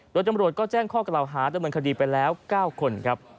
โดยจำรวจก็แจ้งข้อกล่าวฮาด้วยเมืองคดีไปแล้ว๙คน